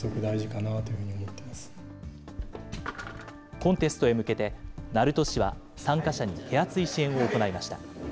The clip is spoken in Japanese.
コンテストへ向けて鳴門市は参加者に手厚い支援を行いました。